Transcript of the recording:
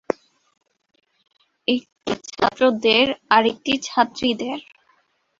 একটি ছাত্রদের আরেকটি ছাত্রীদের।